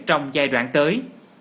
trong giai đoạn tới